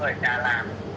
à thế ạ